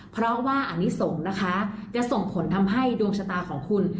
เพราะว่าอนิสงฆ์นะคะจะส่งผลทำให้ดวงชะตาของคุณ